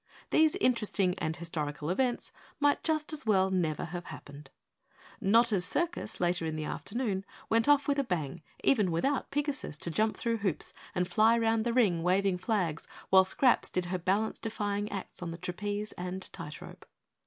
These interesting and historical events might just as well never have happened. Notta's circus later in the afternoon went off with a bang, even without Pigasus to jump through hoops and fly round the ring waving flags while Scraps did her balance defying acts on the trapeze and tight rope.